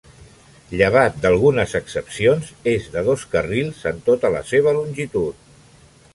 Llevat d'algunes excepcions, és de dos carrils en tota la seva longitud.